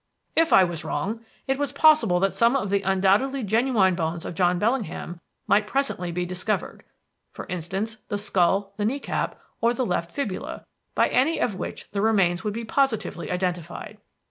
"If I was wrong, it was possible that some of the undoubtedly genuine bones of John Bellingham might presently be discovered; for instance, the skull, the knee cap, or the left fibula, by any of which the remains could be positively identified.